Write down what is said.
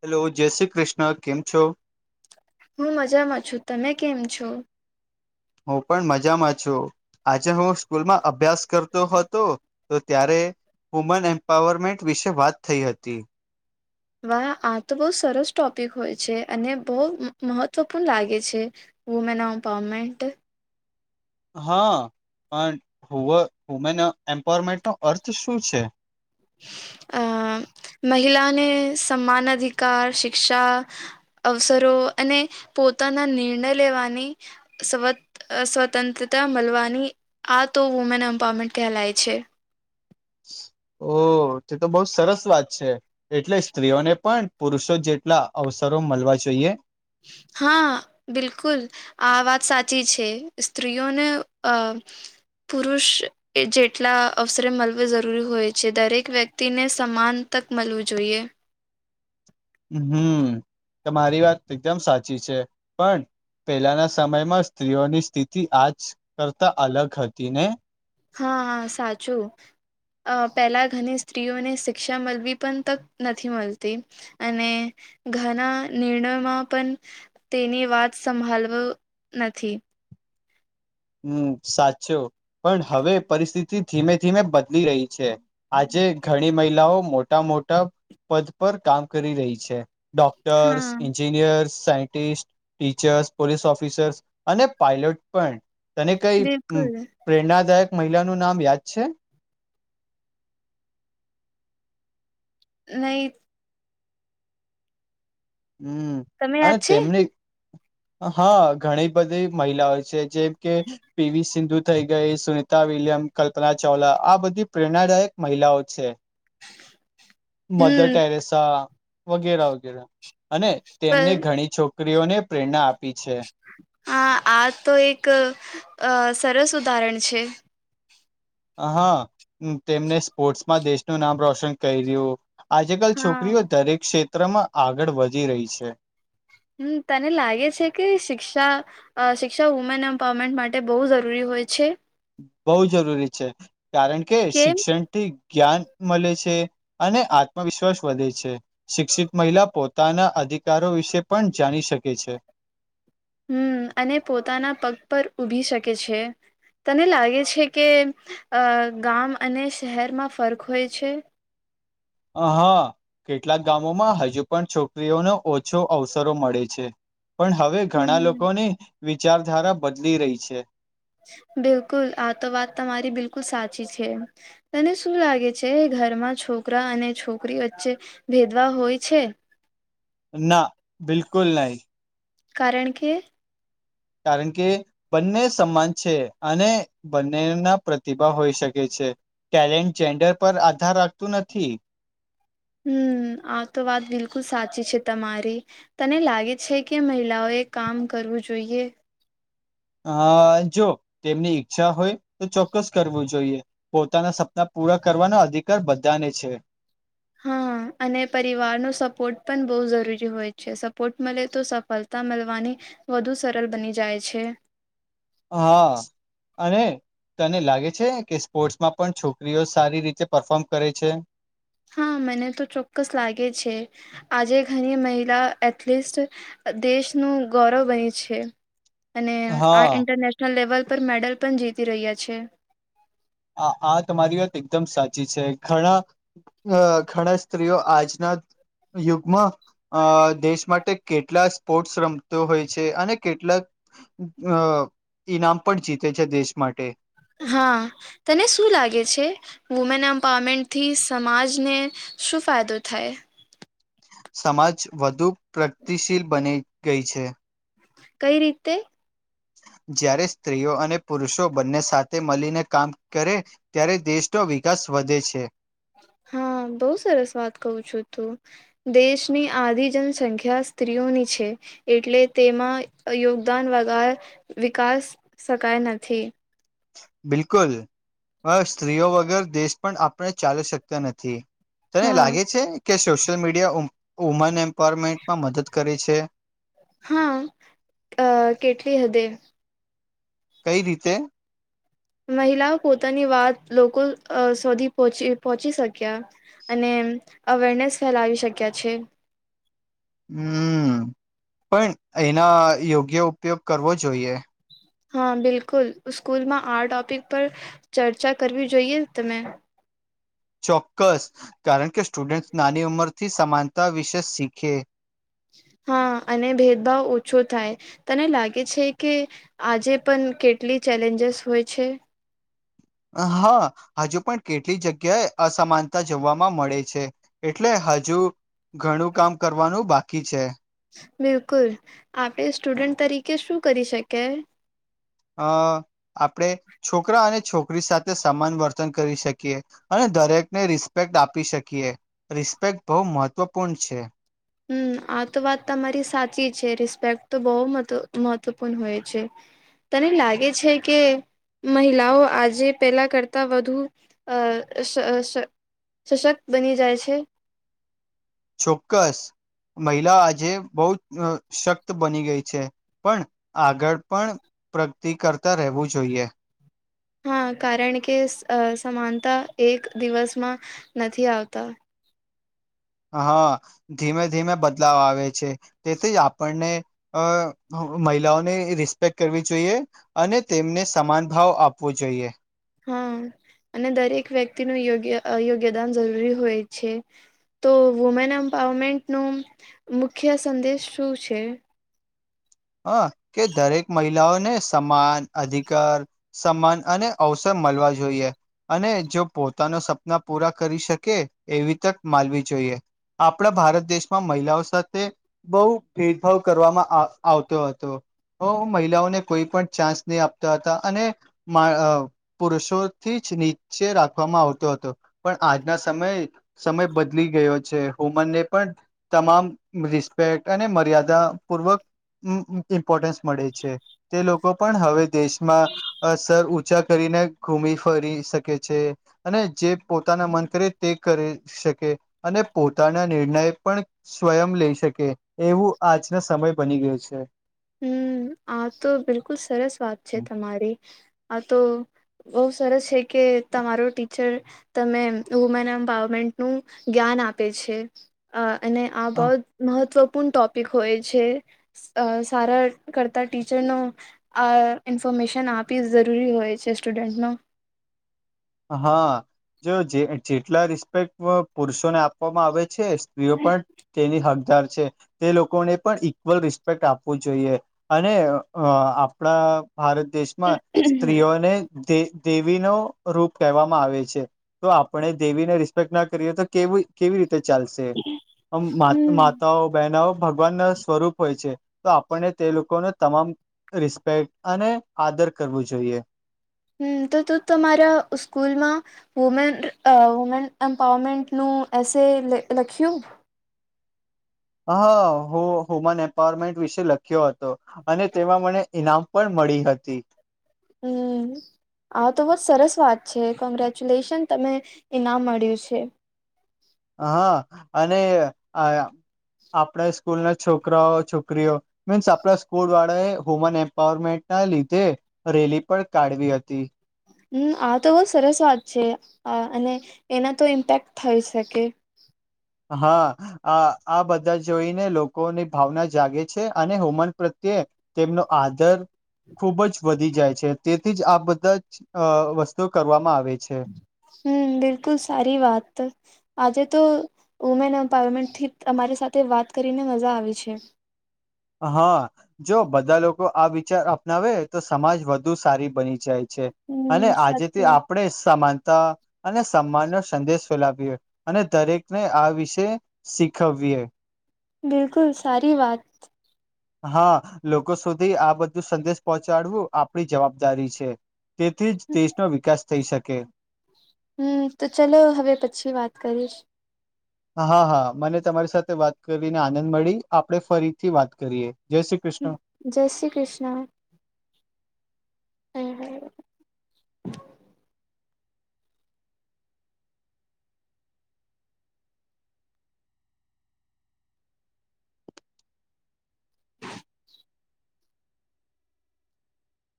Hello જય શ્રી કૃષ્ણ કેમ છો. હું મજામાં છું તમે કેમ છો. હું પણ મજામાં છું આજે હું સ્કૂલમાં અભ્યાસ કરતો હતો. તો ત્યારે વુમન એમ્પાવરમેન્ટ વિશે વાત થઈ હતી. વાહ આ તો બહુ સરસ ટોપિક હોય છે અને બહ મહત્વપૂર્ણ લાગે છે. હુંમેન ઓપામેન્ટ. હા પણ વુમેન એમ્પાવરમેન્ટ નો અર્થ શું છે. અ મહિલાને સમાન અધિકાર શિક્ષા. અવસરો અને પોતાના નિર્ણય લેવાની. સ્વત સ્વતંત્રતા મળવાની આ તો વુમેન એમ્પાવરમેન્ટ કહેલાય છે. ઓ તે તો બઉ સરસ વાત છે એટલે સ્ત્રીઓને પણ. પુરુષો જેટલા અવસરો મળવા જોઈએ. હા બિલકુલ. આ વાત સાચી છે સ્ત્રીઓને અ પુરુષ. એ જેટલા અવસરે મળવ જરૂરી હોય છે દરેક વ્યક્તિને સમાન તક મળવું જોઈએ. હમ તમા મારી વાત એકદમ સાચી છે પણ. પેલાના સમયમાં સ્ત્રીઓની સ્થિતિ આજ કરતા અલગ હતી ને. હા સાચું. અ પહેલા ઘણી સ્ત્રીઓને શિક્ષા મળવી પણ તક નથી મળતી. અને ઘના નિર્ણયોમાં પણ. તેની વાત સંભળવ નથી. હમ સાચો પણ હવે પરિસ્થિતિ ધીમે ધીમે બદલી રહી છે. આજે ઘણી મહિલાઓ મોટા મોટા પદ પર કામ કરી રહી છે. ડોક્ટર્સ હા ઈન્જી. Engineer scientist teachers police officers અને પાયલોટ પણ. તને કઈ બિલકુલ પ્રેરણાદાયક મહિલાનું નામ યાદ છે. નહી. હમ તમે યાદ અને છે તેમને. હા ઘણી બધી મહિલાઓ છે જેમ કે. પીવી સિંધુ થઇ ગઈ સુનિતા વિલિયમ કલ્પના ચાવલા આ બધી પ્રેરણાદાયક મહિલાઓ છે, મધર હમ ટેરેસા વગેરા વગેરે અને તેમને પણ ઘણી છોકરી ક્રીઓને પ્રેરણા આપી છે, હા, આ તો એક સરસ ઉદાહરણ છે, હા, તેમને સ્પોર્ટ્સમાં દેશનું નામ રોશન કર્યું, આજે કલ હા છોકરીઓ દરેક ક્ષેત્રમાં આગળ વધી રહી છે, હમ્મ તને લાગે છે કે શિક્ષા અ શિક્ષા વુમેન એમ્પાવરમેન્ટ માટે બહુ જરૂરી હોય છે, બહુ જરૂરી છે, કારણ કે શિક્ષણ થી જ્ઞાન મળે છે, અને આત્મવિશ્વાસ વધે છે, શિક્ષિત મહિલા પોતે પોતાના અધિકારો વિશે પણ જાણી શકે છે, હમ્મ અને પોતાના પગ પર ઊભી શકે છે, તને લાગે છે કે ગામ અને શહેરમાં ફર્ક હોય છે. હા, કેટલાક ગામોમાં હજુ પણ છોકરીઓનો ઓછો અવસરો મળે છે. પણ હવે ઘણા હમ લોકોની વિચારધારા બદલી રહી છે, બિલકુલ આ તો વાત તમારી બિલકુલ સાચી છે, તને શું લાગે છે, ઘરમાં છોકરા અને છોકરી વચ્ચે ભેદભાવ હોય છે. ના બિલકુલ નહીં કારણ કે કારણ કે બંને સમાન છે, અને બંનેના પ્રતિભા હોઈ શકે છે, ટેલેન્ટ જેન્ડર પર આધાર રાખતું નથી હમ્મ આ તો વાત બિલકુલ સાચી છે, તમારી તને લાગે છે, કે મહિલાઓએ કામ કરવું જોઈએ આ જો તેમની ઈચ્છા હોય તો ચોક્કસ કરવું જોઈએ, પોતાના સપના પૂરા કરવાનો અધિકાર બધાને છે, હા અને પરિવાર ન સપોર્ટ પણ બહુ જરૂરી હોય છે, સપોર્ટ મળે તો સફળતા મળવાની વધુ સરળ બની જાય છે, હા અને તને લાગે છે કે સ્પોર્ટ્સમાં પણ છોકરીઓ સારી રીતે પરફોર્મ કરે છે. હા, મને તો ચોક્કસ લાગે છે આજે ઘણી મહિલા એથલીટ દેશનું ગૌરવ બની છે, અને આ હા ઇન્ટરનેશનલ લેવલ પર મેડલ પણ જીતી રહ્યા છે, આ તમારી વાત એકદમ સાચી છે, ઘણા અ ઘણા સ્ત્રીઓ આજના યુગમાં અ દેશ માટે કેટલા સ્પોર્ટ્સ રમતો હોય છે, અને કેટલાક અ ઈનામ પણ જીતે છે, દેશ માટે હા, તને શું લાગે છે વુમેન એમ્પાવરમેન્ટથી સમાજને શું ફાયદો થાય સમાજ વધુ પ્રગતિશીલ બની ગઈ છે, કઈ રીતે? જ્યારે સ્ત્રીઓ અને પુરુષો બંને સાથે મળીને કામ કરે ત્યારે દેશનો વિકાસ વધે છે. હા, બઉ સરસ વાત કું છું તું દેશની આધી જનસંખ્યા સ્ત્રીઓની છે, એટલે તેમાં યોગદાન વગર વિકાસ શકાય નથી, બિલકુલ હ સ્ત્રીઓ વગર દેશ પણ આપણે ચાલી શકતા નથી, તને હા લાગે છે કે સોશિયલ મીડિયા વુમન એમ પર મિનિટમાં મદદ કરી છે, હા અ કેટલી હદે કઈ રીતે મહિલાઓ પોતાની વાત લોકો સુધી પહચી પહોંચી શક્યા અને અવેરનેસ ફેલાવી શક્યા છે હમ પણ એના યોગ્ય ઉપયોગ કરવો જોઈએ હા બિલકુલ સ્કૂલમાં આ ટોપિક પર ચર્ચા કરવી જોઈએ તમે ચોક્કસ કારણ કે સ્ટુડન્ટ નાની ઉંમર થી સમાનતા વિશે શીખે હા અને ભેદભાવ ઓછો થાય તને લાગે છે કે આજે પણ કેટલી ચેલેન્જેસ હોય છે હા હજુ પણ કેટલી જગ્યાએ અસમાનતા જવાવામાં મળે છે એટલે હજુ ઘણું કામ કરવાનું બાકી છે. બિલકુલ આપડે સ્ટુડન્ટ તરીકે શું કરી શકે અ આપણે છોકરા અને છોકરી સાથે સમાન વર્તન કરી શકીએ અને દરેકને રિસ્પેક્ટ આપી શકીએ રિસ્પેક્ટ બહુ મહત્વપૂર્ણ છે. હમ આ તો વાત તમારી સાચી છે રિસ્પેક્ટ તો બહુ મહત્વપૂર્ણ હોય છે. તને લાગે છે કે મહિલાઓ આજે પેલા કરતા વધુ અ શ સશક્ત બની જાય છે. ચોક્કસ મહિલા આજે બહ શક્ત બની ગઈ છે પણ આગળ પણ પ્રગતિ કરતા રહેવું જોઈએ હા કારણ કે સમાનતા એક દિવસમાં નથી આવતા હા ધીમે ધીમે બદલાવ આવે છે તેથી જ આપણને અ મહિલાઓની રિસ્પેક્ટ કરવી જોઈએ અને તેમને સમાન ભાવ આપવો જોઈએ. હા અને દરેક વ્યક્તિનું યોગ્ય યોગ્યદાન જરૂરી હોય છે. તો વુમેન એમ્પાવરમેન્ટ ન મુખ્ય સંદેશ શું છે હ કે દરેક મહિલાઓને સમાન અધિકાર સમાન અને અવસર મળવા જોઈએ અને જો પોતાનો સપના પૂરા કરી શકે એવી તક માલવી જોઈએ આપણા ભારત દેશમાં મહિલાઓ સાથે બહુ ભેદભાવ કરવામાં આ આવતો હતો મહિલાઓને કોઈ પણ ચાન્સ નહી આપતા હતા અને- મા પુરુષોથી જ નીચે રાખવામાં આવતો હતો પણ આજના સમયે સમય બદલી ગયો છે હોમન ને પણ તમામ રિસ્પેક્ટ અને મર્યાદાપૂર્વક ઇમ્પોર્ટન્સ મળે છે તે લોકો પણ હવે દેશમાં અ સર ઊંચા કરીને ઘુમ ફરી શકે છે. અને જે પોતાના મન કરે તે કરી શકે અને પોતાના નિર્ણય પણ. સ્વયં લઈ શકે એવું આજનો સમય બની ગયો છે. હમ આ તો બિલકુલ સરસ વાત છે તમારી આ તો બહુ સરસ છે કે તમારો ટીચર. તમે વુમેન એમ્પાવરમેન્ટનુંું જ્ઞાન આપે છે અને આ બહત મહત્વપૂર્ણ ટોપિક હોય છે સારા કરતા ટીચરનો. આ ઇન્ફોર્મેશન આપી જરૂરી હોય છે સ્ટુડન્ટનો હા. જો જે જેટલા રિસ્પેક્ટ પુરુષો તેની હકદાર છે તે લોકોને પણ ઈક્વલ રિસ્પેક્ટ આપવું જોઈએ. અને અ આપણા ભારત દેશ માં સ્ત્રીઓનેે દેવીનો રૂપ કહેવામાં આવે છે, તો આપણે દેવીને રિસ્પેક્ટ ના કરીએ તો કેવી કેવી રીતે ચાલશે હમ માતાઓ બહેનો ભગવાનના સ્વરૂપ હોય છે, તો આપણને તે લોકોને તમામ રિસ્પેક્ટ અને આદર કરવું જોઈએ. હમ તો ત તમારા સ્કૂલમાં વુમેન વુમેન એમ્પાવરમેન્ટ નું એસે લખ્યું? હા વુમન એમ્પાવરમેન્ટ વિશે લખ્યો હતો. અને તેમાં મને ઈનામ પણ મળી હતી. હમ. હા તો બહ સરસ વાત છે કોંગ્રેચ્યુલેશન તને, ઈનામ મળ્યું છે. હા, અને આપણા સ્કૂલ ના છોકરાઓ છોકરીઓ મીન્સ આપલા સ્કોડ વાળો વુમન એમ્પાવરમેન્ટ ના લીધે. રેલી પણ કાઢવી હતી. હમ આ તો બહુ સરસ વાત છે, આ અને એના તો ઇમ્પેક્ટ થઈ શકે. હા. આ આ બધા જોઈને લોકોની ભાવના જાગે છે અને હોમન પ્રત્યે તેમનો આદર ખુબ જ વધી જાય છે તેથી જ આ બધા જ વસ્તુઓ કરવામાં આવે છે. હમ બિલકુલ સારી વાત. આજે તો વુમેન એમ્પાવરમેન્ટ થી અમારી સાથે વાત કરીને મજા આવી છે. હા, જો બધા લોકો આ વિચાર અપનાવે તો સમાજ વધુ સારી બની જાય. છે, હમ અને આજે તે સાચી આપણે સમાનતા અને સન્માનનો સંદેશ ફેલાવીવી અને દરેકને આ વિષ શીખવવીએ. બિલકુલ સારી વાત. હા, લોકો સુધી આ બધું સંદેશ પહોંચાડવું આપણી જવાબદારી છે. તેથી જ દેશનો વિકાસ થઈ શકે. હમ તો ચલો હવે પછી વાત કરીશ. હા હા મને તમારી સાથે વાત કરીને આનંદ મળી, આપણે ફરીથી વાત કરીએ. જય શ્રી કૃષ્ણ. જય શ્રી કૃષ્ણ. હમ.